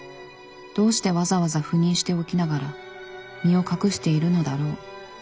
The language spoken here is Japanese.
どうしてわざわざ赴任しておきながら身を隠しているのだろう。